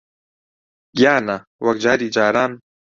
گیانە، وەک جاری جاران